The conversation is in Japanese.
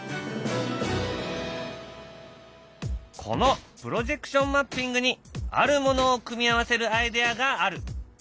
このプロジェクションマッピングにあるものを組み合わせるアイデアがある。